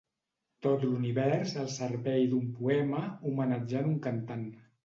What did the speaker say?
Tot l’univers al servei d’un poema, homenatjant un cantant.